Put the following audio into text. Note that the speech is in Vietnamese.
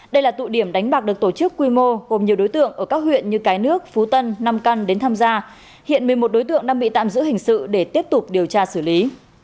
đây là tụ điểm đánh bạc được tổ chức quy mô gồm nhiều đối tượng ở các huyện như cái nước phú tân nam căn đến tham gia hiện một mươi một đối tượng đang bị tạm giữ hình sự để tiếp tục điều tra xử lý